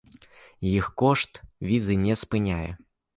Іх кошт візы не спыняе!